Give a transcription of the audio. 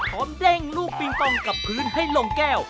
เด้งลูกปิงปองกับพื้นให้ลงแก้ว